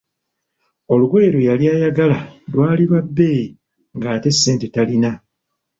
Olugoye lwe yali ayagala lwali lwa bbeeyi nga ate ssente talina.